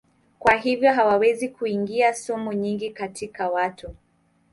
Kwa hivyo hawawezi kuingiza sumu nyingi katika watu.